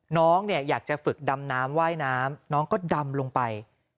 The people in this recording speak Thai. น้องเนี่ยอยากจะฝึกดำน้ำว่ายน้ำน้องก็ดำลงไป